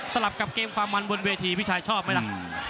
กับเกมความมันบนเวทีพี่ชายชอบไหมล่ะ